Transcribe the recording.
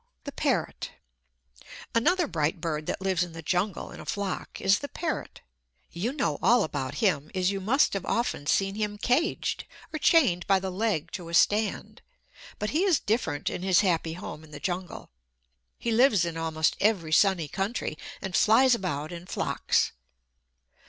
The Parrot Another bright bird that lives in the jungle in a flock is the parrot. You know all about him, as you must have often seen him caged, or chained by the leg to a stand. But he is different in his happy home in the jungle. He lives in almost every sunny country, and flies about in flocks.